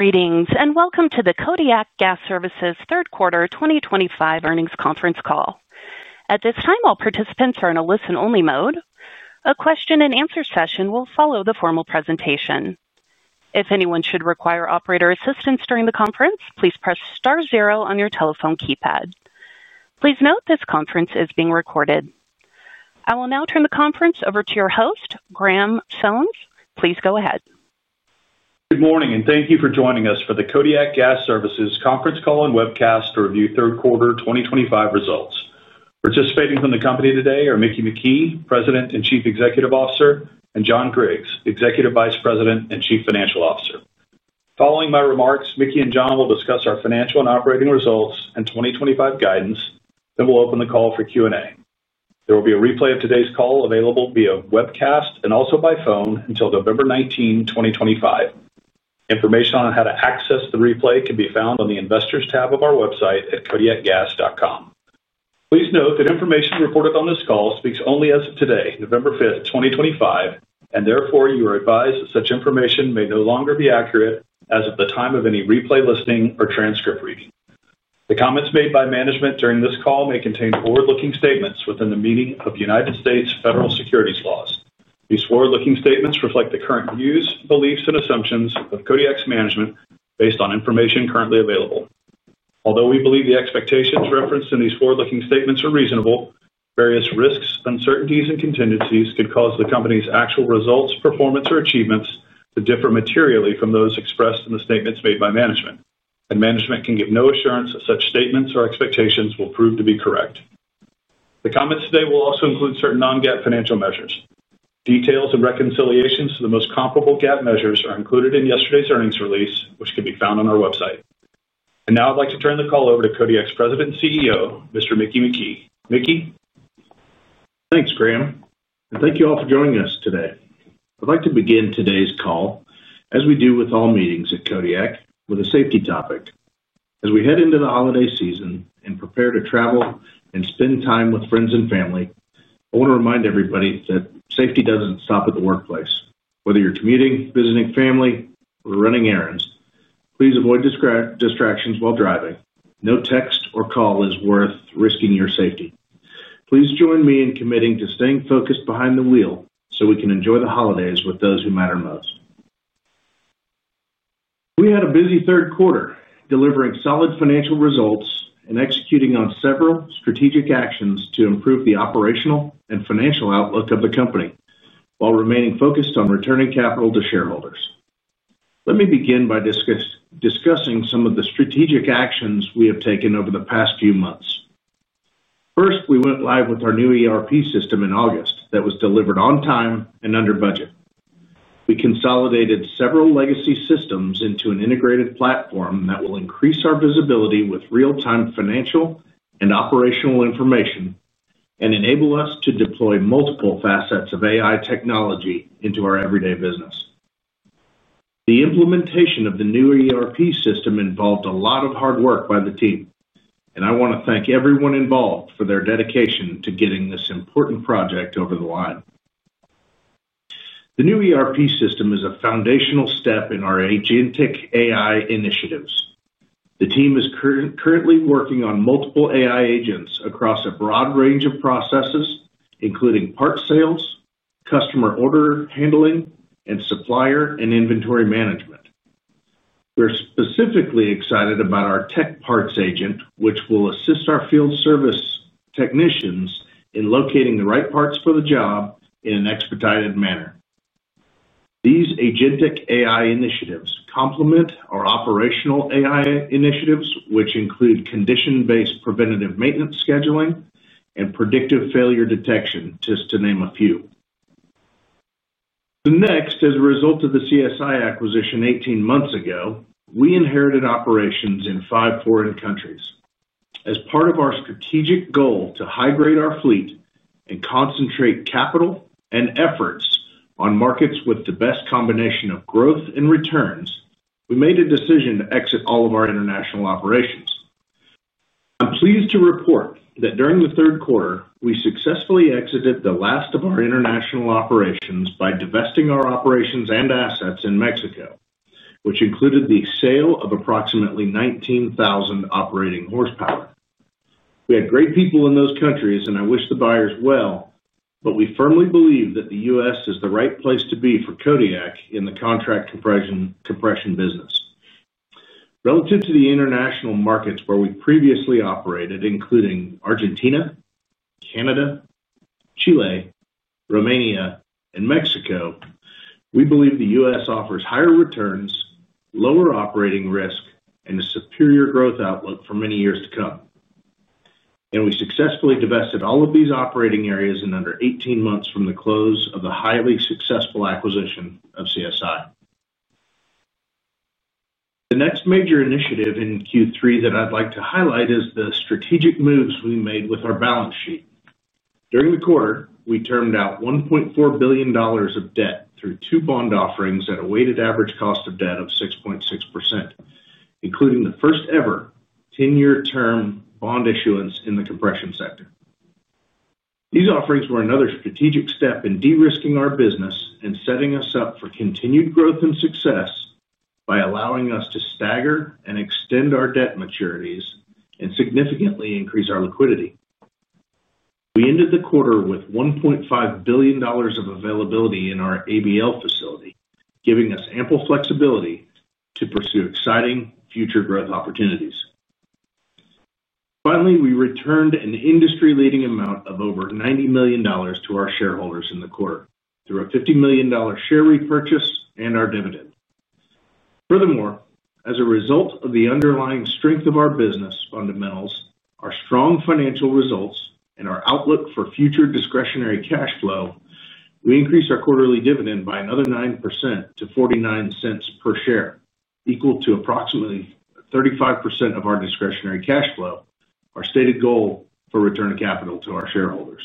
Greetings and welcome to the Kodiak Gas Services Third Quarter 2025 Earnings Conference Call. At this time, all participants are in a listen only mode. A question and answer session will follow the formal presentation. If anyone should require operator assistance during the conference, please press star zero on your telephone keypad. Please note this conference is being recorded. I will now turn the conference over to your host, Graham Sones. Please go ahead. Good morning and thank you for joining us for the Kodiak Gas Services Conference Call and Webcast to Review Third Quarter 2025 Results. Participating from the company today are Mickey McKee, President and Chief Executive Officer, and John Griggs, Executive Vice President and Chief Financial Officer. Following my remarks, Mickey and John will discuss our financial and operating results and 2025 guidance. Then we'll open the call for Q and A. There will be a replay of today's call available via webcast and also by phone until November 19, 2025. Information on how to access the replay can be found on the Investors tab of our website@kodiakgas.com Please note that information reported on this call speaks only as of today, November 5th, 2025 and therefore you are advised that such information may no longer be accurate as of the time of any replay listing or transcript reading. The comments made by management during this call may contain forward looking statements within the meaning of United States Federal Securities Laws. These forward looking statements reflect the current views, beliefs and assumptions of Kodiak's management based on information currently available. Although we believe the expectations referenced in these forward looking statements are reasonable, various risks, uncertainties and contingencies could cause the Company's actual results, performance or achievements to differ materially from those expressed in the statements made by management and management can give no assurance that such statements or expectations will prove to be correct. The comments today will also include certain non GAAP financial measures. Details and reconciliations to the most comparable GAAP measures are included in yesterday's earnings release which can be found on our website. And now I'd like to turn the call over to Kodiak's President and CEO, Mr. Mickey McKee. Mickey? Thanks Graham and thank you all for joining us today. I'd like to begin today's call, as we do with all meetings at Kodiak, with a safety topic. As we head into the holiday season and prepare to travel and spend time with friends and family, I want to remind everybody that safety doesn't stop at the workplace. Whether you're commuting, visiting family or running errands, please avoid distractions while driving. No text or call is worth risking your safety. Please join me in committing to staying focused behind the wheel so we can enjoy the holidays with those who matter most. We had a busy third quarter, delivering solid financial results and executing on several strategic actions to improve the operational and financial outlook of the company while remaining focused on returning capital to shareholders. Let me begin by discussing some of the strategic actions we have taken over the past few months. First, we went live with our new ERP system in August that was delivered on time and under budget. We consolidated several legacy systems into an integrated platform that will increase our visibility with real time financial and operational information and enable us to deploy multiple facets of AI technology into our everyday business. The implementation of the new ERP system involved a lot of hard work by the team and I want to thank everyone involved for their dedication to getting this important project over the line. The new ERP system is a foundational step in our agentic AI initiatives. The team is currently working on multiple AI agents across a broad range of processes including part sales, customer order handling and supplier and inventory management. We're specifically excited about our Tech Parts Agent which will assist our field service technicians in locating the right parts for the job in an expedited manner. These agentic AI initiatives complement our operational AI initiatives which include condition based preventative maintenance, scheduling and predictive failure detection, just to name a few. Next As a result of the CSI acquisition 18 months ago, we inherited operations in five foreign countries. As part of our strategic goal to high grade our fleet and concentrate capital and efforts on markets with the best combination of growth and returns, we made a decision to exit all of our international operations. I'm pleased to report that during the third quarter we successfully exited the last of our international operations by divesting our operations and assets in Mexico, which included the sale of approximately 19,000 operating horsepower. We had great people in those countries and I wish the buyers well, but we firmly believe that the US is the right place to be for Kodiak in the contract compression business. Relative to the international markets where we previously operated, including Argentina, Canada, Chile, Romania and Mexico, we believe the US offers higher returns, lower operating risk and a superior growth outlook for many years to come, and we successfully divested all of these operating areas in under 18 months from the close of the highly successful acquisition of CSI. The next major initiative in Q3 that I'd like to highlight is the strategic moves we made with our balance sheet during the quarter. We termed out $1.4 billion of debt through two bond offerings at a weighted average cost of debt of 6.6% including the first ever 10-year term bond issuance in the compression sector. These offerings were another strategic step in de risking our business and setting us up for continued growth and success by allowing us to stagger and extend our debt maturities and significantly increase our liquidity. We ended the quarter with $1.5 billion of availability in our ABL facility, giving us ample flexibility to pursue exciting future growth opportunities. Finally, we returned an industry leading amount of over $90 million to our shareholders in the quarter through a $50 million share repurchase and our dividend. Furthermore, as a result of the underlying strength of our business fundamentals, our strong financial results and our outlook for future discretionary cash flow, we increased our quarterly dividend by another 9% to $0.49, equal to approximately 35% of our discretionary cash flow. Our stated goal for return of capital to our shareholders.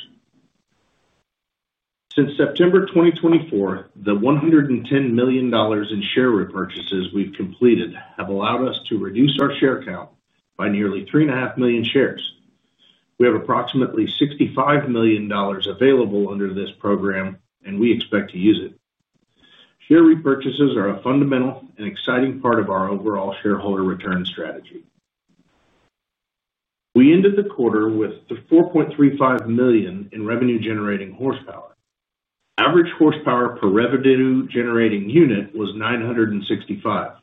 Since September 2024, the $110 million in share repurchases we've completed have allowed us to reduce our share count by nearly 3 1/2 million shares. We have approximately $65 million available under this program and we expect to use it. Share repurchases are a fundamental and exciting part of our overall shareholder return strategy. We ended the quarter with $4.35 million in revenue generating horsepower. Average horsepower per revenue generating unit was 965,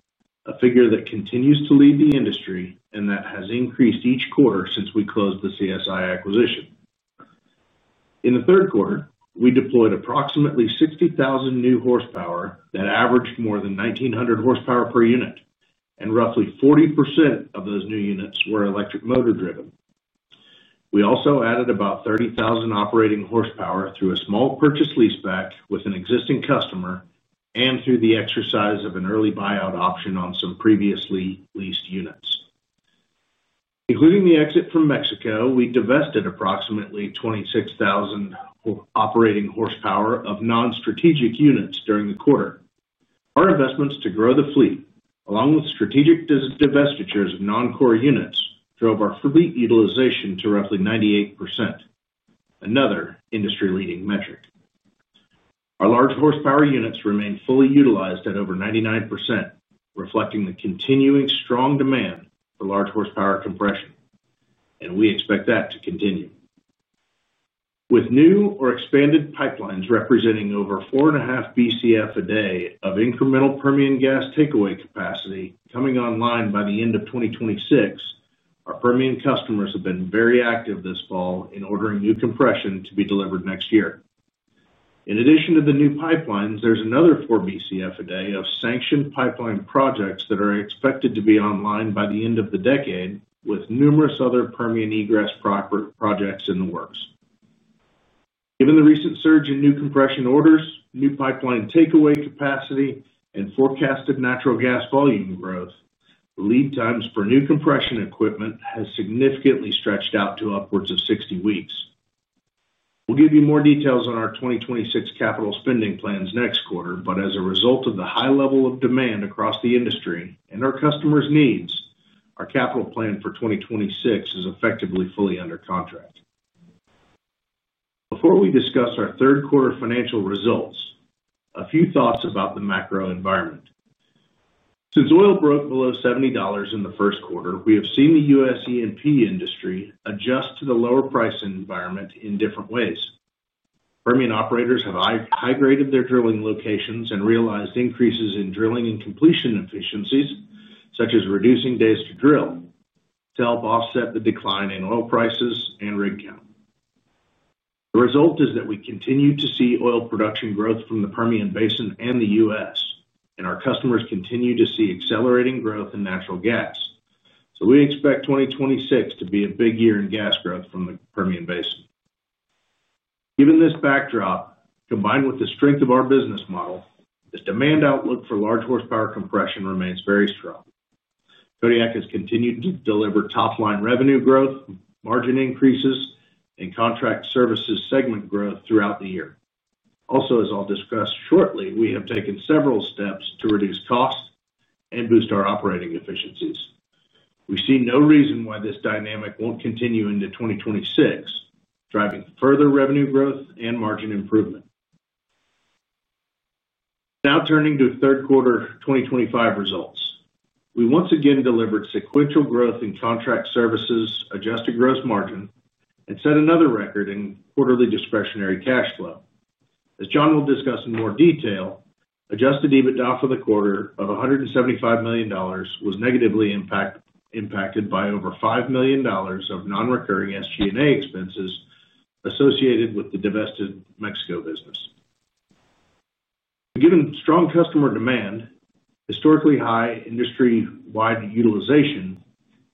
a figure that continues to lead the industry and that has increased each quarter since we closed the CSI acquisition. In the third quarter we deployed approximately 60,000 new horsepower that averaged more than 1,900 horsepower per unit and roughly 40% of those new units were electric motor driven. We also added about 30,000 operating horsepower through a small purchase leaseback with an existing customer and through the exercise of an early buyout option on some previously leased units, including the exit from Mexico. We divested approximately 26,000 operating horsepower of non strategic units during the quarter. Our investments to grow the fleet along with strategic divestitures of non core units drove our fleet utilization to roughly 98%, another industry leading metric. Our large horsepower units remain fully utilized at over 99% reflecting the continuing strong demand for large horsepower compression and we expect that to continue with new or expanded pipelines representing over 4 1/2 BCF a day of incremental Permian gas takeaway capacity coming online by the end of 2026. Our Permian customers have been very active this fall in ordering new compression to be delivered next year. In addition to the new pipelines, there's another four BCF a day of sanctioned pipeline projects that are expected to be by the end of the decade. With numerous other Permian egress projects in the works. Given the recent surge in new compression orders, new pipeline takeaway capacity and forecasted natural gas volume growth, lead times for new compression equipment has significantly stretched out to upwards of 60 weeks. We'll give you more details on our 2026 capital spending plans next quarter. But as a result of the high level of demand across the industry and our customers needs, our capital plan for 2026 is effectively fully under contract. Before we discuss our third quarter financial results, a few thoughts about the macro environment. Since oil broke below $70 in the first quarter, we have seen the US EMP industry adjust to the lower price environment in different ways. Permian operators have high graded their drilling locations and realized increases in drilling and completion efficiencies such as reducing days to drill to help offset the decline in oil prices and rig count. The result is that we continue to see oil production growth from the Permian Basin and the US and our customers continue to see accelerating growth in natural gas. So we expect 2026 to be a big year in gas growth from the Permian Basin. Given this backdrop combined with the strength of our business model, this demand outlook for large horsepower compression remains very strong. Kodiak has continued to deliver top line revenue growth, margin increases and contract services segment growth throughout the year. Also, as I'll discuss shortly, we have taken several steps to reduce cost and boost our operating efficiencies. We see no reason why this dynamic won't continue into 2026, driving further revenue growth and margin improvement. Now turning to third quarter 2025 results, we once again delivered sequential growth in contract services adjusted gross margin and set another record in quarterly discretionary cash flow. As John will discuss in more detail, adjusted EBITDA for The quarter of $175 million was negatively impacted by over $5 million of non recurring SGA expenses associated with the divested Mexico business. Given strong customer demand, historically high industry wide utilization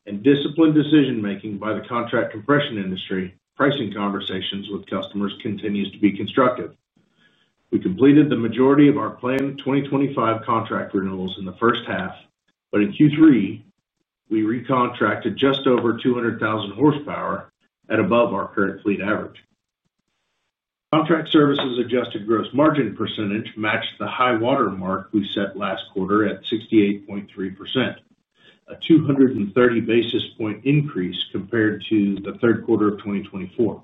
and disciplined decision making by the contract compression industry, pricing conversations with customers continues to be constructive. We completed the majority of our planned 2025 contract renewals in the first half, but in Q3 we recontracted just over 200,000 horsepower at above our current fleet average. Contract services adjusted gross margin percentage matched the high water mark we set last quarter at 68.3%, a 230 basis point increase compared to the third quarter of 2024.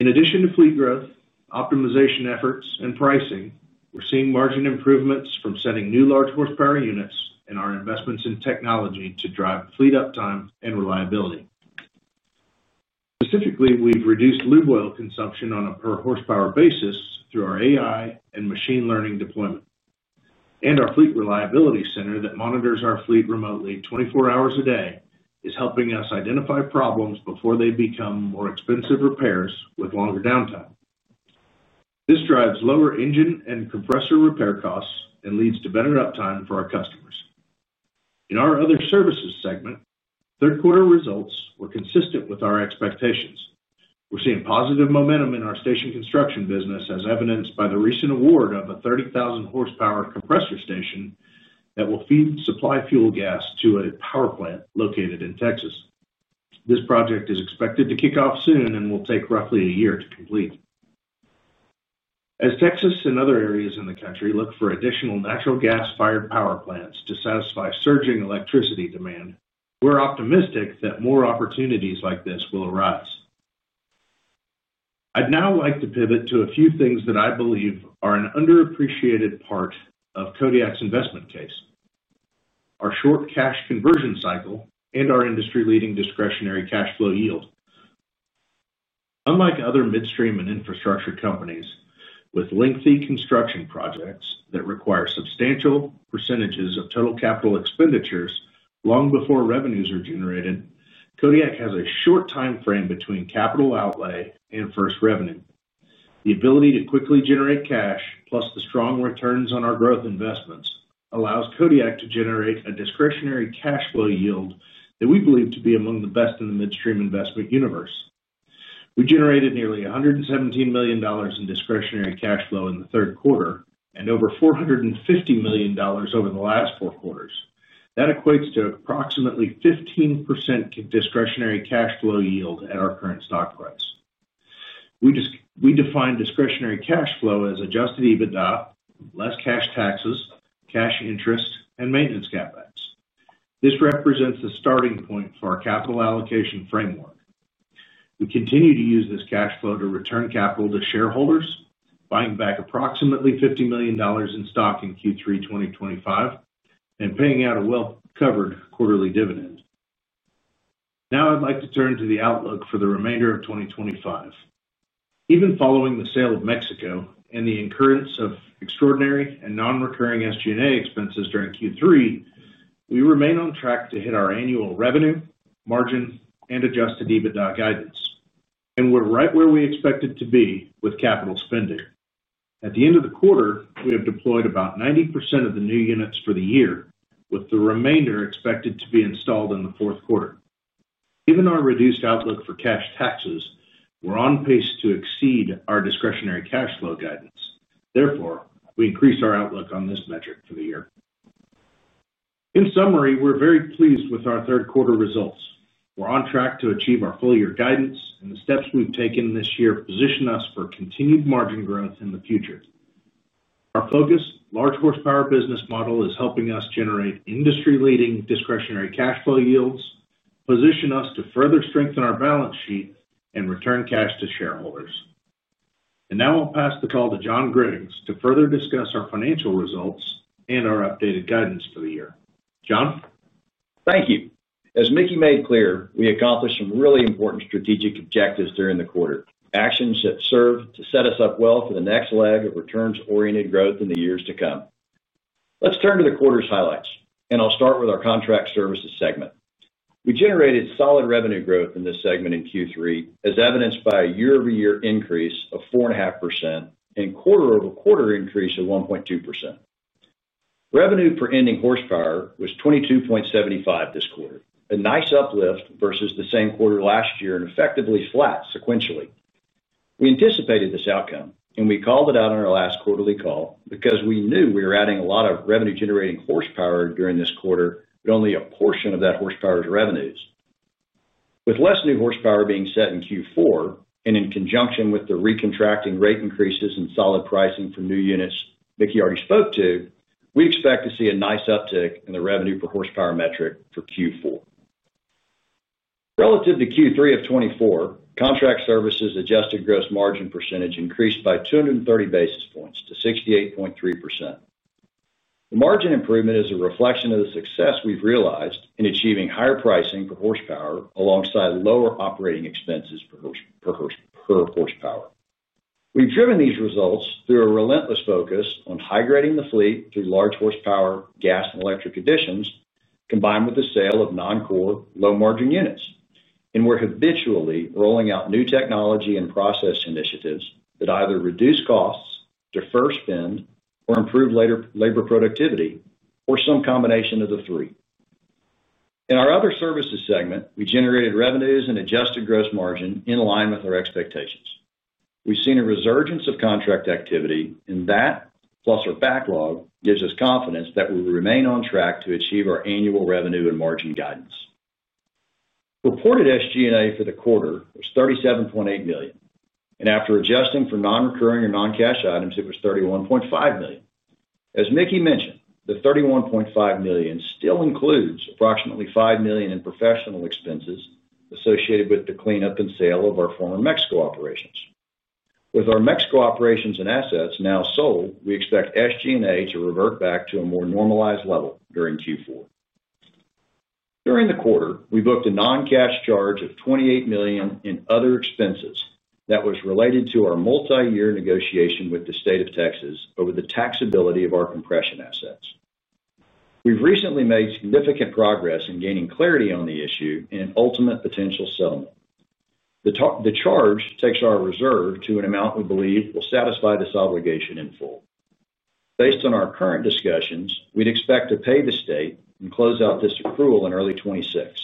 In addition to fleet growth optimization efforts and pricing, we're seeing margin improvements from setting new large horsepower units and our investments in technology to drive fleet uptime and reliability. Specifically, we've reduced lube oil consumption on a per horsepower basis through our AI and machine learning deployment and our Fleet Reliability center that monitors our fleet remotely 24 hours a day is helping us identify problems before they become more expensive repairs with longer downtime. This drives lower engine and compressor repair costs and leads to better uptime for our customers in our other services segment, Third quarter results were consistent with our expectations. We're seeing positive momentum in our station construction business as evidenced by the recent award of a 30,000 horsepower compressor station that will feed supply fuel gas to a power plant located in Texas. This project is expected to kick off soon and will take roughly a year to complete. As Texas and other areas in the country look for additional natural gas fired power plants to satisfy surging electricity demand, we're optimistic that more opportunities like this will arise. I'd now like to pivot to a few things that I believe are an underappreciated part of Kodiak's investment case our short cash conversion cycle and our industry leading Discretionary cash flow yield. Unlike other midstream and infrastructure companies with lengthy construction projects that require substantial percentages of total capital expenditures long before revenues are generated, Kodiak has a short time frame between capital outlay and first revenue. The ability to quickly generate cash plus the strong returns on our growth investments allows Kodiak to generate a discretionary cash flow yield that we believe to be among the best in the midstream investment universe. We generated nearly $117 million in discretionary cash flow in the third quarter and over $450 million over the last four quarters. That equates to approximately 15% discretionary cash flow yield at our current stock price. We define discretionary cash flow as adjusted EBITDA, less cash taxes, cash interest and maintenance CapEx. This represents the starting point for our capital allocation framework. We continue to use this cash flow to return capital to shareholders, buying back approximately $50 million in stock in Q3 2025 and paying out a well covered quarterly dividend. Now I'd like to turn to the outlook for the remainder of 2025. Even following the sale of Mexico and the incurrence of extraordinary and non recurring SGA expenses during Q3, we remain on track to hit our annual revenue margin and adjusted EBITDA guidance and we're right where we expected to be with capital spending at the end of the quarter. We have deployed about 90% of the new units for the year with the remainder expected to be installed in the fourth quarter. Given our reduced outlook for cash taxes, we're on pace to exceed our discretionary cash flow guidance. Therefore, we increased our outlook on this metric for the year. In summary, we're very pleased with our third quarter results. We're on track to achieve our full year guidance and the steps we've taken this year position us for continued margin growth in the future. Our focused large horsepower business model is helping us generate industry leading discretionary cash flow yields position us to further strengthen our balance sheet and return cash to shareholders. And now I'll pass the call to John Griggs to further discuss our financial results and our updated guidance for the year. John? Thank you. As Mickey made clear, we accomplished some really important strategic objectives during the quarter, actions that serve to set us up well for the next leg of returns oriented growth in the years to come. Let's turn to the quarter's highlights and I'll start with our contract services segment. We generated solid revenue growth in this segment in Q3 as evidenced by a year-over-year increase of 4.5% and quarter-over-quarter increase of 1.2%. Revenue per ending horsepower was 22.75% this quarter, a nice uplift versus the same quarter last year and effectively flat sequentially. We anticipated this outcome and we called it out on our last quarterly call because we knew we were adding a lot of revenue generating horsepower during this quarter, but only a portion of that horsepower's revenues. With less new horsepower being set in Q4 and in conjunction with the recontracting rate increases and solid pricing for new units Mickey already spoke to, we expect to see a nice uptick in the revenue per horsepower metric for Q4 relative to Q3. Of 2024 contract services adjusted gross margin percentage increased by 230 basis points to 68.3%. The margin improvement is a reflection of the success we've realized in achieving higher pricing for horsepower alongside lower operating expenses per per horsepower. We've driven these results through a relentless focus on high grading the fleet through large horsepower, gas and electric conditions combined with the sale of non core low margin units. And we're habitually rolling out new technology and process initiatives that either reduce costs, defer spend or improve labor productivity or some combination of the three. In our other services segment, we generated revenues and adjusted gross margin in line with our expectations. We've seen a resurgence of contract activity and that plus our backlog gives us confidence that we remain on track to achieve our annual revenue and margin guidance, reported SGA for the quarter was $37.8 million and after adjusting for non recurring or non cash Items it was $31.5 million. As Mickey mentioned, the $31.5 million still includes approximately $5 million in professional expenses associated with the cleanup and sale of our former Mexico operations. With our Mexico operations and assets now sold, we expect SG&A to revert back to a more normalized level during Q4. During the quarter we booked a noncash charge of $28 million in other expenses that was related to our multi year negotiation with the State of Texas over the taxability of our compression assets. We've recently made significant progress in gaining clarity on the issue in an ultimate potential settlement. The charge takes our reserve to an amount we believe will satisfy this obligation in full. Based on our current discussions, we'd expect to pay the State and close out this accrual in early 2026.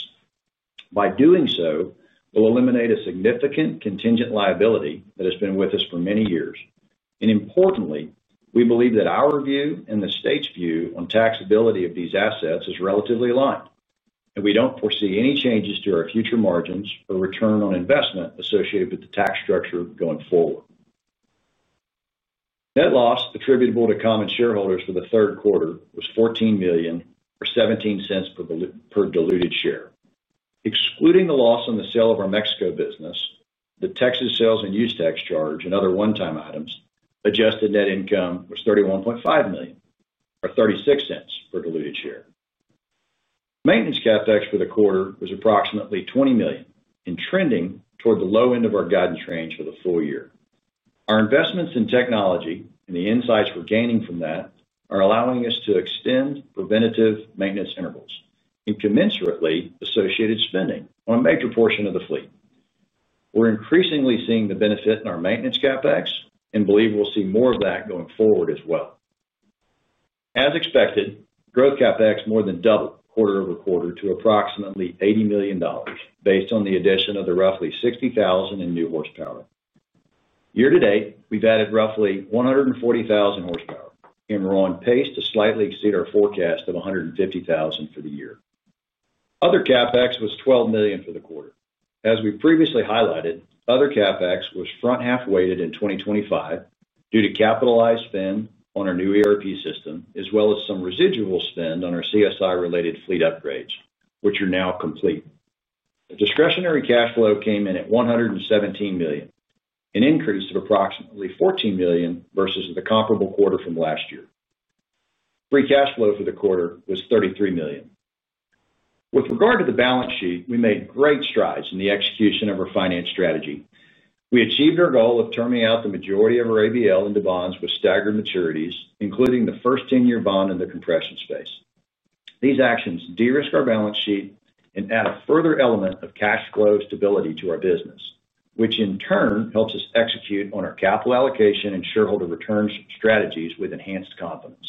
By doing so, we'll eliminate a significant contingent liability that has been with us for many years and importantly, we believe that our view and the state's view on taxability of these assets is relatively aligned and we don't foresee any changes to our future margins or return on investment associated with the tax structure going forward. Net loss attributable to common shareholders for the third quarter was $14 million or $0.17 per diluted share. Excluding the loss on the sale of our Mexico business, the Texas sales and use tax charge and other one time items. Adjusted net income was $31.5 million or $0.36 per diluted share. Maintenance CapEx for the quarter was approximately $20 million and trending toward the low end of our guidance range for the full year. Our investments in technology and the insights we're gaining from that are allowing us to extend preventative maintenance intervals and commensurately associated spending on a major portion of the fleet. We're increasingly seeing the benefit in our maintenance CapEx and believe we'll see more of that going forward. As well as expected growth, CapEx more than doubled quarter-over-quarter to approximately $80 million based on the addition of the roughly 60,000 in new horsepower. Year to date we've added roughly 140,000 horsepower and we're on pace to slightly exceed our forecast of 150,000 for the year. Other CapEx was $12 million for the quarter. As we previously highlighted, other CapEx was front half weighted in 2025 due to capitalized spend on our new ERP system as well as some residual spend on our CSI related fleet upgrades which are now complete discretionary. Cash flow came in at $117 million, an increase of approximately $14 million versus the comparable quarter from last year. Free cash flow for the quarter was $33 million. With regard to the balance sheet, we made great strides in the execution of our finance strategy. We achieved our goal of terming out the majority of our ABL into bonds with staggered maturities, including the first 10 year bond in the compression space. These actions de risk our balance sheet and add a further element of cash flow stability to our business, which in turn helps us execute on our capital allocation and shareholder return strategies with enhanced confidence.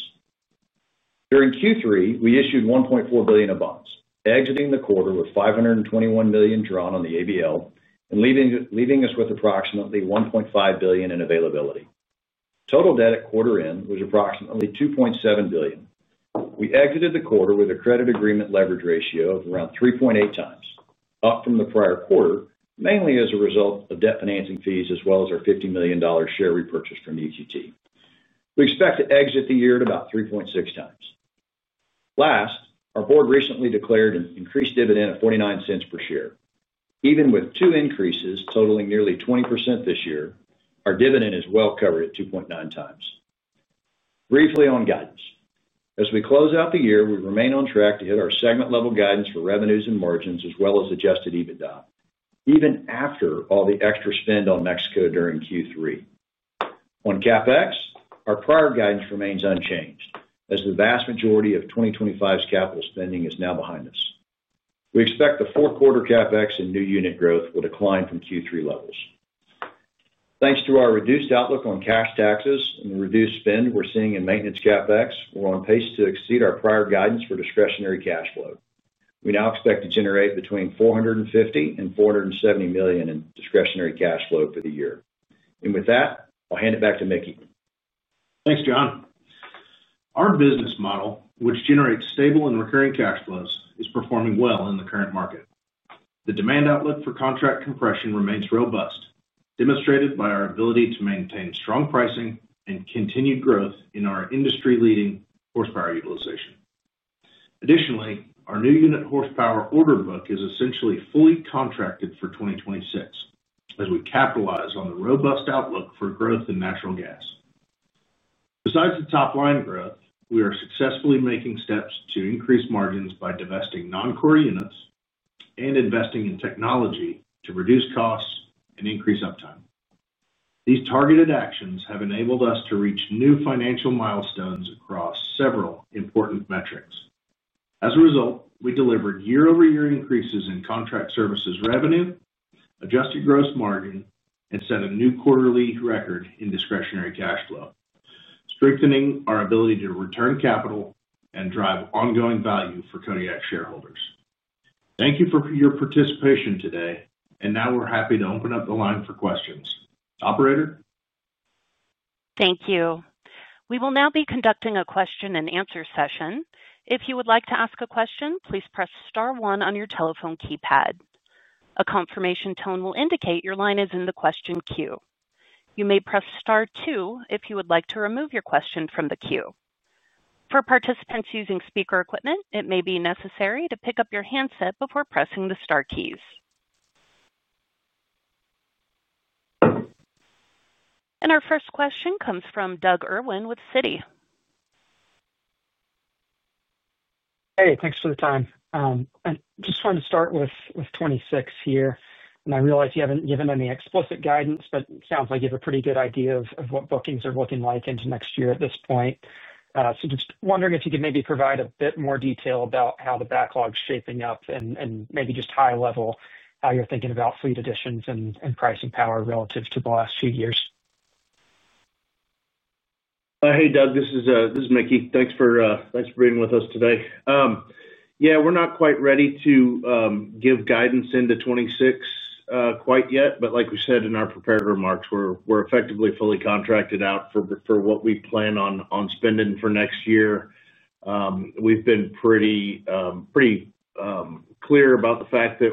During Q3 we issued 1.4 billion of bonds exiting the quarter with $521 million drawn on the ABL and leaving us with approximately $1.5 billion in availability. Total debt at quarter end was approximately $2.7 billion. We exited the quarter with a credit agreement leverage ratio of around 3.8 times up from the prior quarter. Mainly as a result of debt financing fees as well as our $50 million share repurchase from UGT. We expect to exit the year at about 3.6 times. Last, our board recently declared an increased dividend of $0.49 per share. Even with two increases totaling nearly 20% this year, our dividend is well covered at 2.9 times. Briefly on Guidance as we close out the year, we remain on track to hit our segment level guidance for revenues and margins as well as adjusted EBITDA. Even after all the extra spend on Mexico during Q3 on CapEx, our prior guidance remains unchanged as the vast majority of 2025's capital spending is now behind us. We expect the fourth quarter CapEx in new unit growth will decline from Q3 levels thanks to our reduced outlook on cash taxes and the reduced spend we're seeing in maintenance CapEx, we're on pace to exceed our prior guidance for discretionary cash flow. We now expect to generate between $450 million and $470 million in discretionary cash flow for the year. And with that I'll hand it back to Mickey. Thanks John. Our business model which generates stable and recurring cash flows is performing well in the current market. The demand outlook for contract compression remains robust, demonstrated by our ability to maintain strong pricing and continued growth in our industry leading horsepower utilization. Additionally, our new unit horsepower order book is essentially fully contracted for 2026 as we capitalize on the robust outlook for growth in natural gas. Besides the top line growth, we are successfully making steps to increase margins by divesting non core units and investing in technology to reduce costs and increase uptime. These targeted actions have enabled us to reach new financial milestones across several important metrics. As a result, we delivered year-over-year increases in contract services, revenue, adjusted gross margin and set a new quarterly record in discretionary cash flow, strengthening our ability to return capital and drive ongoing value for Kodiak shareholders. Thank you for your participation today. And now we're happy to open up the line for questions, Operator? Thank you. We will now be conducting a question and answer session. If you would like to ask a question, please press Star one on your telephone keypad. A confirmation tone will indicate your line is in the question queue. You may press Star two if you would like to remove your question from the queue. For participants using speaker equipment, it may be necessary to pick up your handset before pressing the star keys. And our first question comes from Doug Irwin with Citi. Hey, thanks for the time. I just wanted to start with 2026 here and I realize you haven't given any explicit guidance, but sounds like you have a pretty good idea of what bookings are looking like into next year at this point. So just wondering if you could maybe provide a bit more detail about how the backlog shaping up? and maybe just high level how you're thinking about fleet additions and pricing power relative to the last few years? Hey, Doug, this is Mickey. Thanks for being with us today. Yeah, we're not quite ready to give guidance into 2026 quite yet, but like we said in our prepared remarks, we're effectively fully contracted out for what we plan on spending for next year. We've been pretty, pretty clear about the fact that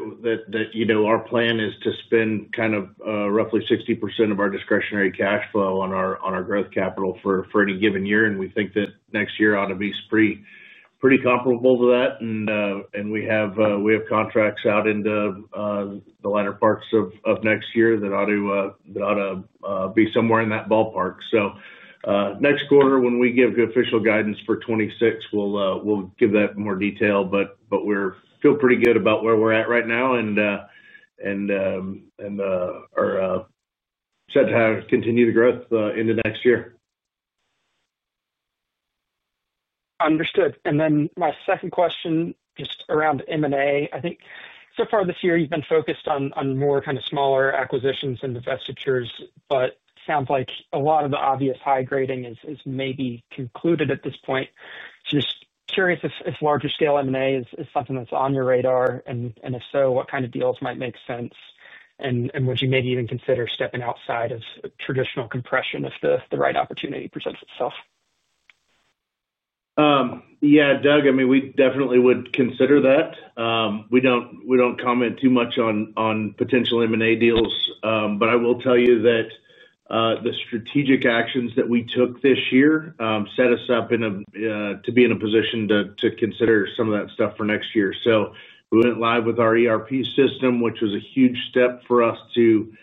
our plan is to spend kind of roughly 60% of our discretionary cash flow on our growth capital for any given year. And we think that next year ought to be pretty comparable to that. And we have contracts out into the latter parts of next year that ought to be somewhere in that ballpark. So next quarter when we give official guidance for 2026, we'll give that more detail. But we feel pretty good about where we're at right now and our said to have continued growth into next year. Understood. And then my second question, just around M&A. I think so far this year you've been focused on more kind of smaller acquisitions and divestitures. But sounds like a lot of the obvious high grading is maybe concluded at this point. Just curious if larger scale M&A is something that's on your radar and if so, what kind of deals might make sense? and would you maybe even consider stepping outside of traditional compression if the right opportunity presents itself? Yeah, Doug, I mean, we definitely would consider that. We don't we don't comment too much on on potential M&A deals, but I will tell you that the strategic actions that we took this year set us up in a to be in a position to consider some of that stuff for next year. So we went live with our ERP system, which was a huge step for us to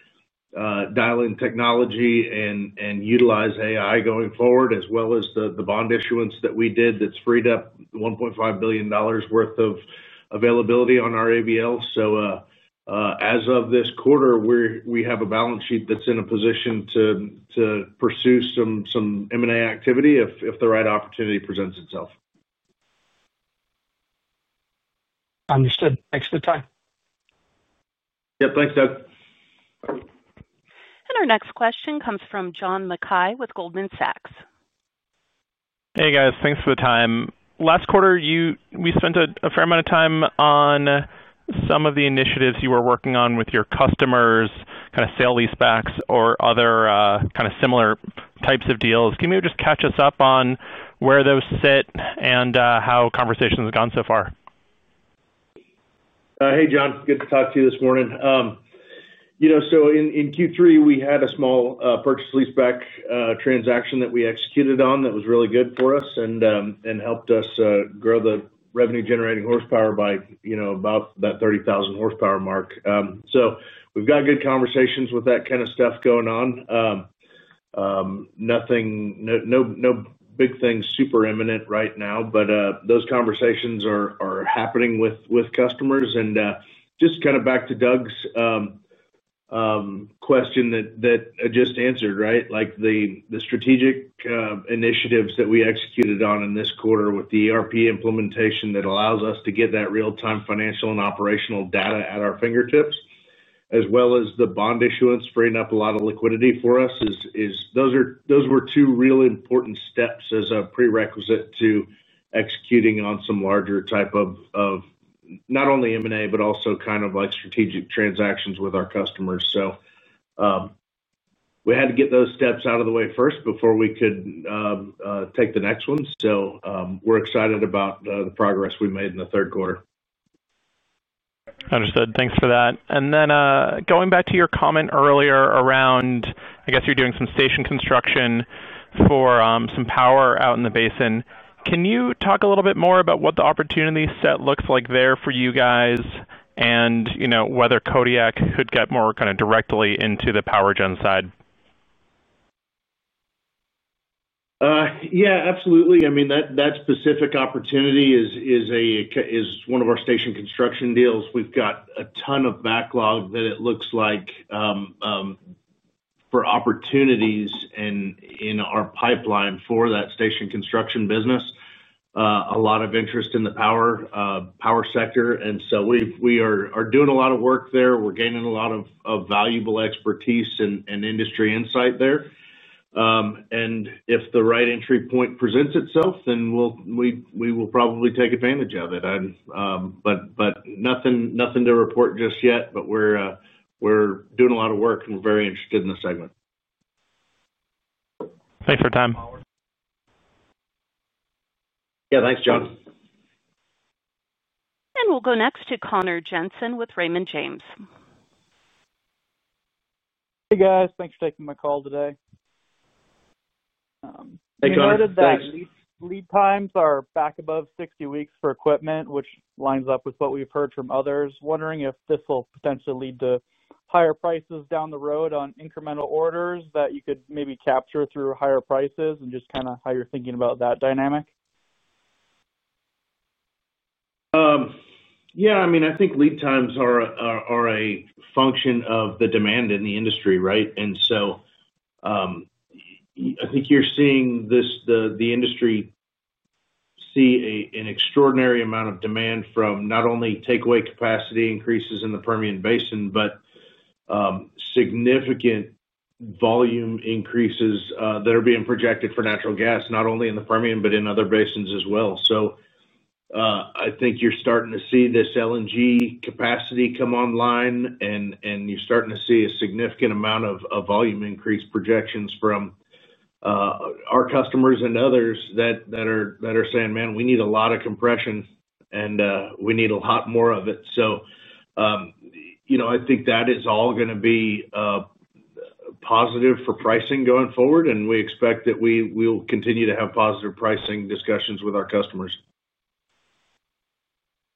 dial in technology and utilize AI going forward as well as the bond issuance that we did that's freed up $1.5 billion worth of availability on our ABL. So as of this quarter, we have a balance sheet that's in a position to pursue some M&A activity if the right opportunity presents itself. Understood. Thanks for the time. Yep, thanks Doug. And our next question comes from John Mackay with Goldman Sachs. Hey guys, thanks for the time. Last quarter we spent a fair amount of time on some of the initiatives you were working on with your customers. Kind of sale leasebacks or other kind of similar types of deals. Can you just catch us up on where those sit and how conversations have gone so far? Hey John, good to talk to you this morning. So in Q3 we had a small purchase leaseback transaction that we executed on that was really good for us and helped us grow the revenue generating horsepower by about that 30,000 horsepower mark. So we've got good conversations with that kind of stuff going on. Nothing, no big things super imminent right now. But those conversations are happening with customers. And just kind of back to Doug's question that I just answered. Right. Like the strategic initiatives that we executed on in this quarter with the ERP implementation that allows us to get that real time financial and operational data at our fingertips as well as the bond issuance, freeing up a lot of liquidity for us. Those were two really important steps as a prerequisite to executing on some larger type of not only M&A, but also kind of like strategic transactions with our customers. So we had to get those steps out of the way first before we could take the next one. So we're excited about the progress we made in the third quarter. Understood, thanks for that. And then going back to your comment earlier around, I guess you're doing some station construction for some power out in the Basin. Can you talk a little bit more about what the opportunity set looks like there for you guys and you know, whether Kodiak could get more kind of directly into the power gen side? Yeah, absolutely. I mean that specific opportunity is one of our station construction deals. A ton of backlog that it looks like for opportunities in our pipeline for that station construction business. A lot of interest in the power sector. And so we are doing a lot of work there. We're gaining a lot of valuable expertise and industry insight there. And if the right entry point presents itself, then we will probably take advantage of it. But nothing to report just yet, but we're doing a lot of work and we're very interested in the segment. Thanks for your time. Yeah, thanks, John. And we'll go next to Connor Jensen with Raymond James. Hey guys, thanks for taking my call today. Hey, Connor. Lead times are back above 60 weeks for equipment, which lines up with what we've heard from others. Wondering if this will potentially lead to higher prices down the road on incremental orders that you could maybe capture through higher prices and just kind of how you're thinking about that dynamic? Yeah, I mean, I think lead times are, are a function of the demand in the industry, right. And so I think you're seeing this, the industry see an extraordinary amount of demand from not only takeaway capacity increases in the Permian Basin, but significant volume increases that are being projected for natural gas, not only in the Permian but in other Basins as well. So I think you're starting to see this LNG capacity come online and you're starting to see a significant amount of volume increase projections from our customers and others that are saying, man, we need a lot of compression and we need a lot more of it. So, you know, I think that is all going to be positive for pricing going forward and we expect that we will continue to have positive pricing discussions with our customers.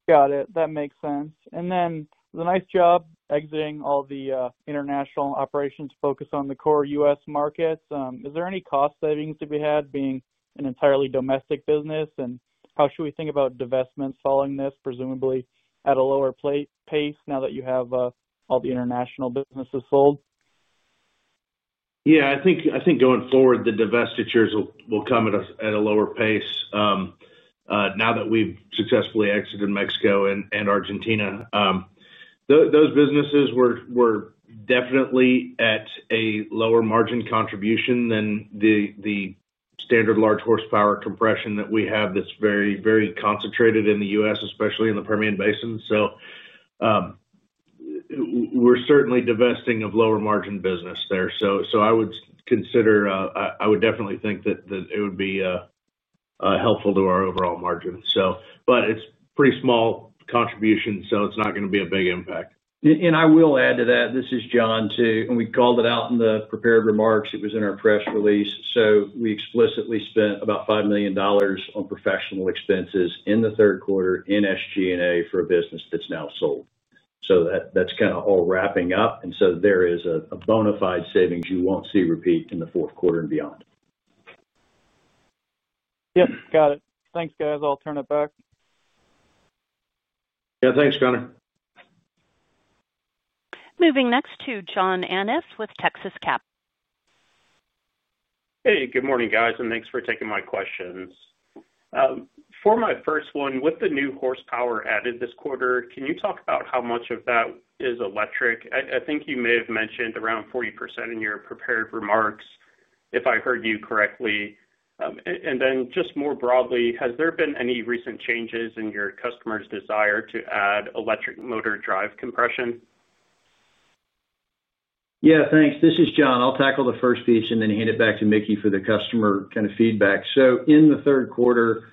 Got it. That makes sense. And then the nice job exiting all the international operations, focus on the core US Markets. Is there any cost savings to be had being an entirely domestic business? And how should we think about divestments following this? Presumably at a lower pace now that you have all the international businesses sold. Yeah, I think going forward the divestitures will come at a lower pace. Now that we've successfully exited Mexico and Argentina, those businesses were definitely at a lower margin contribution than the standard large horsepower compression that we have that's very, very concentrated in the US Especially in the Permian Basin. So we're certainly divesting of lower margin business there. So I would consider, I would definitely think that it would be helpful to our overall margin, but it's pretty small contribution. So it's not going to be a big impact. And I will add to that. This is John too, and we called it out in the prepared remarks. It was in our press release. So we explicitly spent about $5 million dol on professional expenses in the third quarter in SGA for a business that's now sold. So that's kind of all wrapping up. And so there is a bona fide savings you won't see repeat in the fourth quarter and beyond. Yep, got it. Thanks guys. I'll turn it back. Yeah, thanks Connor. Moving next to John Annis with Texas Cap. Hey, good morning guys and thanks for taking my questions. For my first one, with the new horsepower added this quarter, can you talk about how much of that is electric? I think you may have mentioned around 40% in your prepared remarks if I heard you correctly. And then just more broadly, has there been any recent changes in your customers desire to add electric motor drive compression? Yeah, thanks. This is John. I'll tackle the first piece and then hand it back to Mickey for the customer kind of feedback. So in the third quarter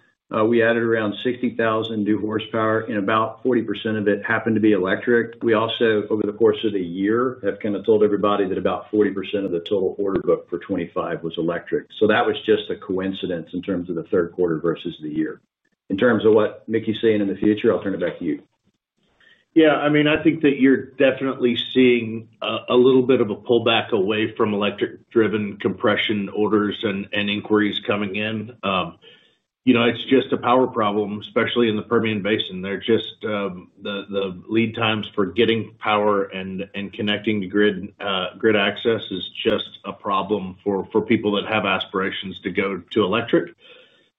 we added around 60,000 new horsepower and about 40% of it happened to be electric. We also over the course of the year have kind of told Everybody that about 40% of the total order book for 25 was electric. So that was just a coincidence in terms of the third quarter versus the year. In terms of what Mickey's saying in the future. I'll turn it back to you. Yeah, I mean I think that you're definitely seeing a little bit of a pullback away from electric driven compression. Orders and inquiries coming in. You know, it's just a power problem, especially in the Permian Basin, they're just the lead times for getting power and connecting to grid access is just a problem for people that have aspirations to go to electric.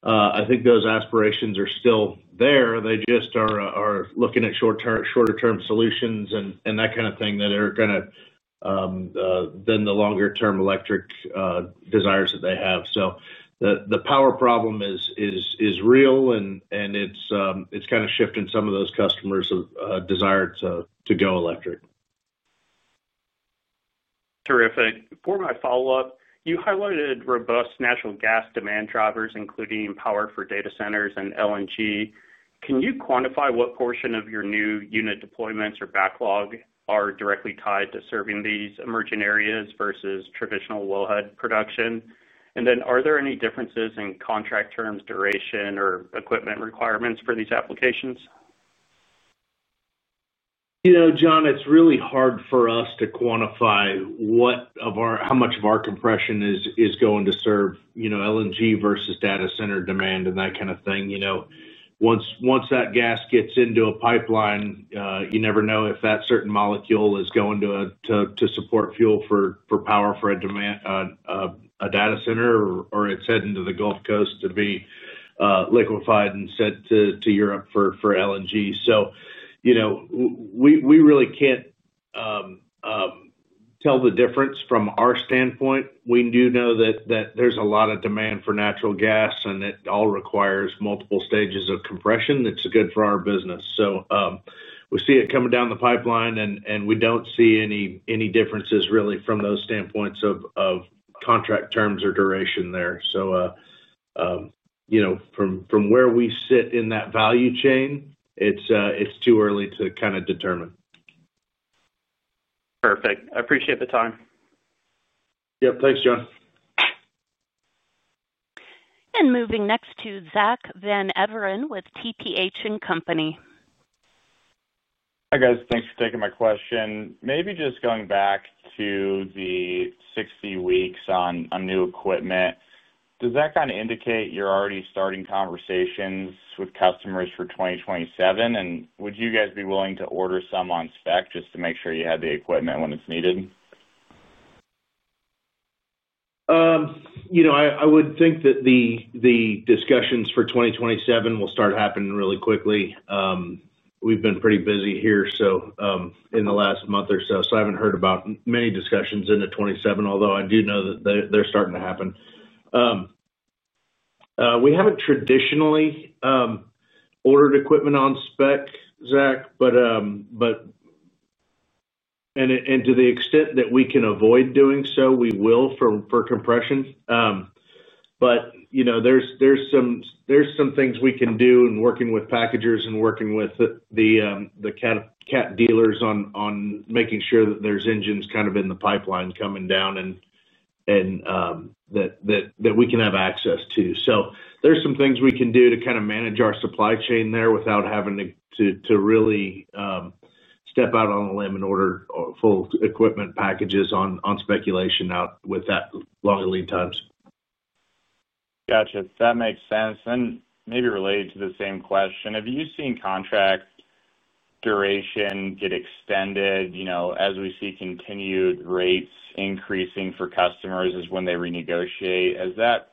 I think those aspirations are still there. They just are looking at shorter term solutions and that kind of thing that are going to then the longer term electric desires that they have. So the power problem is real and it's kind of shifting. Some of those customers desire to go electric. Terrific. For my follow up, you highlighted robust natural gas demand drivers including power for data centers and LNG. Can you quantify what portion of your new unit deployments or backlog are directly tied to serving these emerging areas versus traditional wellhead production? And then are there any differences in contract terms, duration or equipment requirements for these applications? You know John, it's really hard for us to quantify what of our how much of our compression is going to serve, you know, LNG versus data center demand and that kind of thing. You know, once, once that gas gets into a pipeline, you never know if that certain molecule is going to support fuel for for power for a demand, a data center or it's heading to the Gulf coast. To be liquefied and sent to Europe for LNG. So, you know, we really can't tell the difference from our standpoint. We do know that there's a lot of demand for natural gas and it all requires multiple stages of compression. It's good for our business. So we see it coming down the pipeline and we don't see any differences really from those standpoints of contract terms or duration there. So, you know, from where we sit in that value chain, it's too early to kind of determine. Perfect. I appreciate the time. Yep. Thanks, John. And moving next to Zach Van Everen with TPH and company. Hi guys. Thanks for taking my question. Maybe just going Back to the 60 weeks on new equipment. Does that kind of indicate you're already starting conversations with customers for 2027? And would you guys be willing to order some on spec just to make sure you had the equipment when it's needed? You know, I would think that the, the discussions for 2027 will start happening really quickly. We've been pretty busy here, so in the last month or so, so I haven't heard about many discussions into 2027, although I do know that they're starting to happen. We haven't traditionally ordered equipment on spec, Zack, but. And to the extent that we can avoid doing so, we will for compression. But you know, there's some things we can do in working with packagers and working with the cat dealers on making sure that there's engines kind of in the pipeline coming down and, and that we can have access to. So there's some things we can do to kind of manage our supply chain there without having to really step out on a limb and order full equipment packages on speculation out with that longer lead times. Gotcha. That makes sense and maybe related to the same question. Have you seen contract duration get extended as we see continued rates increasing for customers is when they renegotiate? Has that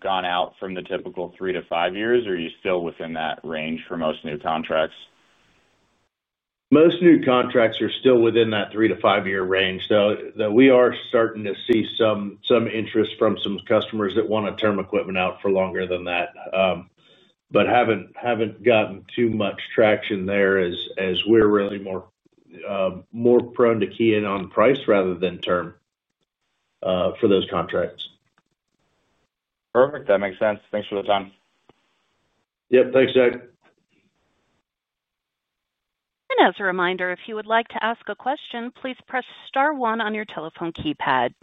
gone out from the typical three to five years or are you still within that range for most new contracts? Most new contracts are still within that three to five year range though we are starting to see some interest from some customers that want to term equipment out for longer than that, but haven't gotten too much traction there as we're really more, more prone to key in on price rather than term for those contracts. Perfect. That makes sense. Thanks for the time. Yep. Thanks Zack. And as a reminder, if you would like to ask a question, please press star one on your telephone keypad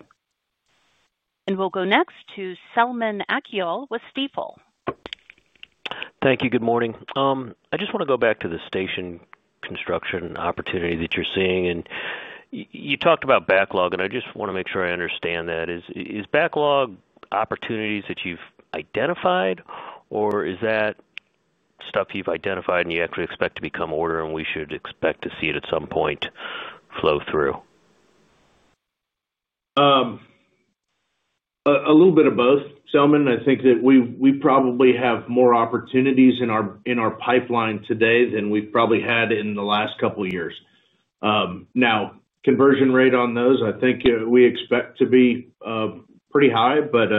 and we'll go next to Selman Akyol with Stifel Thank you. Good morning. I just want to go back to the station construction opportunity that you're seeing and you talked about backlog and I just want to make sure I understand that. Is backlog opportunities that you've identified? or is that stuff you've identified and you actually expect to become order and we should expect to see it at some point flow through? A little bit of both. Selman, I think that we probably have more opportunities in our pipeline today than we probably had in the last couple years. Now conversion rate on those I think we expect to be pretty high, but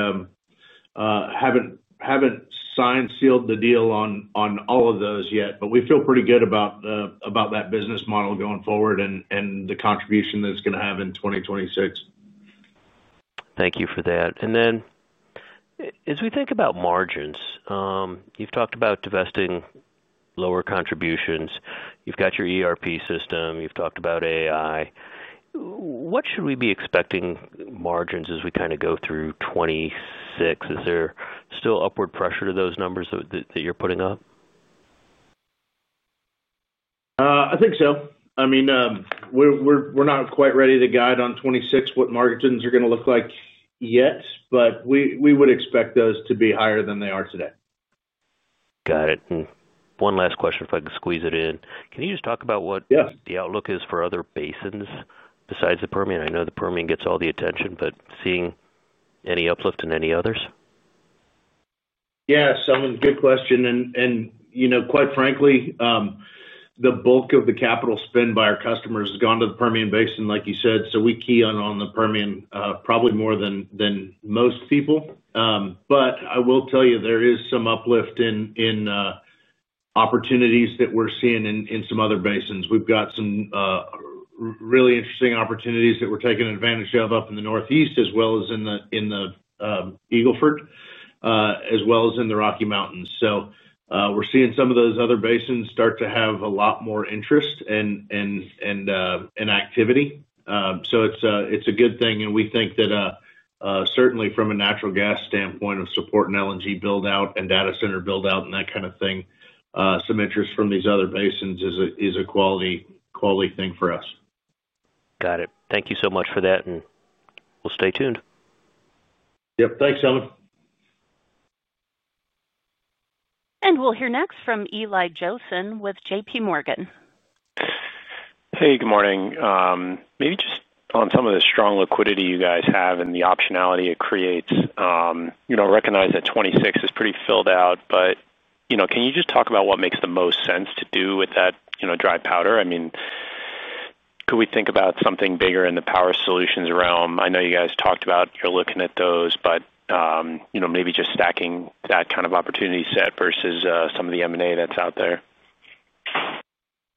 haven't signed sealed the deal on all of those yet. But we feel pretty good about that business model going forward and the contribution that it's going to have in 2026. Thank you for that. And then as we think about margins, you've talked about divesting, lower contributions. You've got your ERP system, you've talked about AI. What should we be expecting margins as we kind of go through 2026? Is there still upward pressure to those numbers that you're putting up? I think so. I mean we're not quite ready to guide on 2026 what margins are going to look like yet, but we would expect those to be higher than they are today. Got it. One last question if I could squeeze it in. Can you just talk about what the outlook is for other Basins besides the Permian? I know the Permian gets all the attention, but seeing any uplift in any others? Yes, good question. And quite frankly the bulk of the capital spend by our customers has gone to the Permian Basin like you said. So we key on the Permian probably more than than most people. But I will tell you there is some uplift in opportunities that we're seeing in some other Basins. We've got some really interesting opportunities that we're taking advantage of up in the Northeast as well as in the Eagle Ford as well as in the Rocky Mountains. So we're seeing some of those other Basins start to have a lot more interest in activity. So it's a good thing. And we think that certainly from a natural gas standpoint of supporting LNG build out and data center build out and that kind of thing, some interest from these other Basins is a quality thing for us. Got it. Thank you so much for that and we'll stay tuned. Yep. Thanks Selman. And we'll hear next from Eli Jossen with J.P. Morgan. Hey, good morning. Maybe just on some of the strong liquidity you guys have and the optionality it creates, you know, recognize that 2026 is pretty filled out but you know, can you just talk about what makes the most sense too with that, you know, dry powder? I mean, could we think about something bigger in the power solutions realm I know you guys talked about? You're looking at those, but you know, maybe just stacking that kind of opportunity set versus some of the M&A that's out there.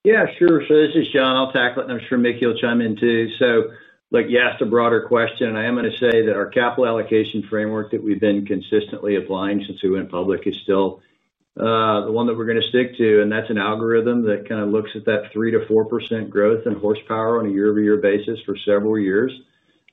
Yeah, sure. So this is John, I'll tackle it. And I'm sure Mickey will chime in too. So like you asked, a broader question. I am going to say that our capital allocation framework that we've been consistently applying since we went public is still the one that we're going to stick to. And that's an algorithm that kind of looks at that 3% to 4% growth in horsepower on a year-over-year basis for several years,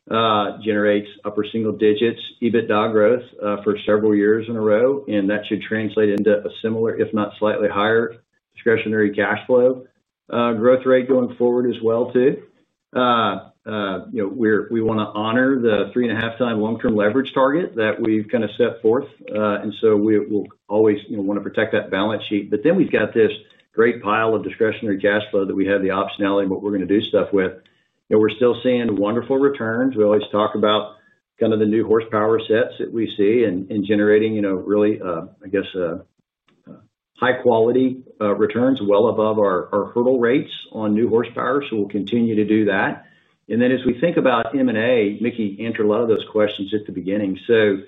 generates upper single digits EBITDA growth for several years in a row. And that should translate into a similar, if not slightly higher discretionary cash flow growth rate going forward as well too. You know, we're, we want to honor the 3 1/2 time long term leverage target that we've kind of set forth. And so we will always want to protect that balance sheet. But then we've got this great pile of discretionary cash flow that we have the optionality but we're going to do stuff with. And we're still seeing wonderful returns. We always talk about kind of the new horsepower sets that we see and generating, you know, really, I guess, high quality returns well above our hurdle rates on new horsepower. So we'll continue to do that. And then as we think about M&A, Mickey answered a lot of those questions at the beginning. So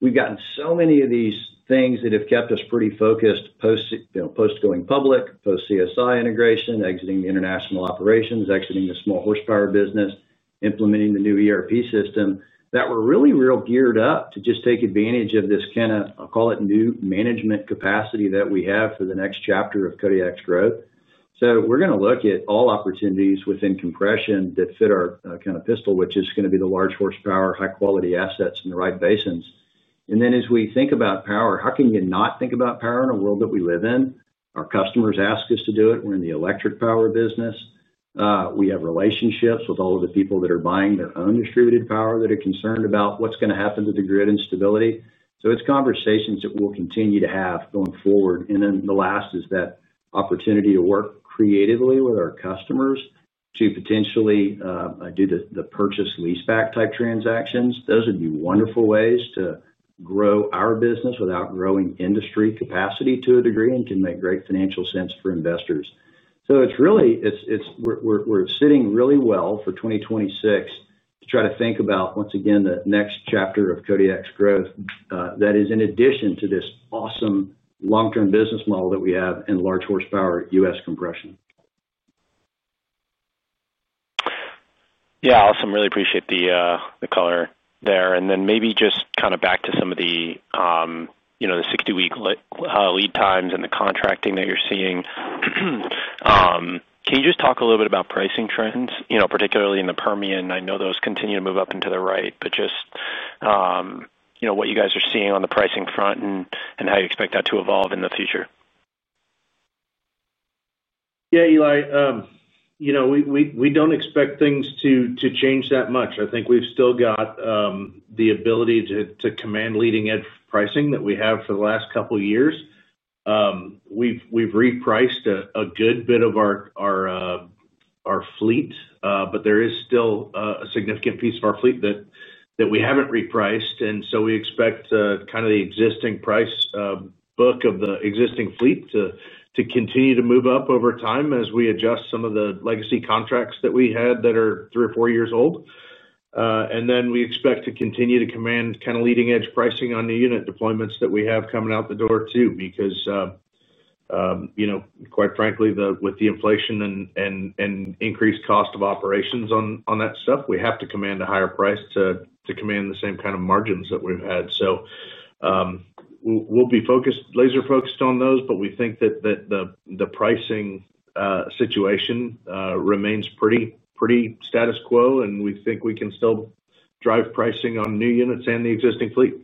we've gotten so many of these things that have kept us pretty focused post going public, post CSI integration, exiting the international operations, exiting the small horsepower business, implementing the new ERP system that we're really real geared up to just take advantage of this kind of, I'll call it, new management capacity that we have for the next chapter of Kodiak's growth. So we're going to look at all opportunities within compression that fit our kind of pistol, which is going to be the large horsepower, high quality assets in the right Basins. And then as we think about power, how can you not think about power in a world that we live in? Our customers ask us to do it. We're in the electric power business. We have relationships with all of the people that are buying their own distributed power that are concerned about what's going to happen to the grid and stability. So it's Conversations that we'll continue to have going forward. And then the last is that opportunity to work creatively with our customers to potentially do the purchase leaseback type transactions. Those would be wonderful ways to grow our business without growing industry capacity to a degree and can make great financial sense for investors. So it's really, we're sitting really well for 2026 to try to think about once again the next chapter of Kodiak's growth that is in addition to this awesome long term business model that we have in large horsepower US compression. Yeah, awesome. Really appreciate the color there. And then maybe just kind of back to some of the 60 week lead times and the contracting that you're seeing. Can you just talk a little bit about pricing trends, particularly in the Permian? I know those continue to move up into the right. But just what you guys are seeing on the pricing? front and how you expect that to evolve in the future? Yeah, Eli, we don't expect things to change that much. I think we've still got the ability to command leading edge pricing that we have for the last couple of years. We've repriced a good bit of our fleet, but there is still a significant piece of our fleet that we haven't repriced. And so we expect kind of the existing price book of the existing fleet to continue to move up over time as we adjust some of the legacy contracts that we had that are three or four years old. And then we expect to continue to command kind of leading edge pricing on the unit deployments that we have coming out the door too. Because you know, quite frankly, with the inflation and increased cost of operations on that stuff, we have to command a higher price to command the same kind of margins that we've had. So we'll be laser focused on those. But we think that the pricing situation remains pretty, pretty status quo and we think we can still drive pricing on new units and the existing fleet.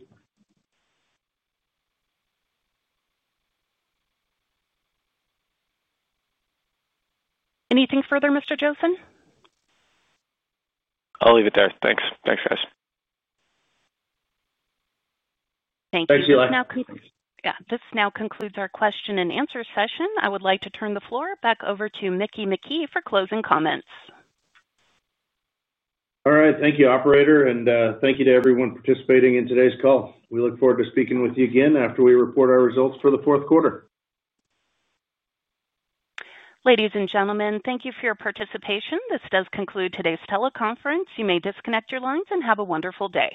Anything further, Mr. Jossen? I'll leave it there. Thanks. Thanks guys. Thank you. This now concludes our question and answer session. I would like to turn the floor back over to Mickey McKee for closing comments. All right, thank you operator. And thank you to everyone participating in today's call. We look forward to speaking with you again after we report our results for the fourth quarter. Ladies and gentlemen, thank you for your participation. This does conclude today's teleconference. You may disconnect your lines and have a wonderful day.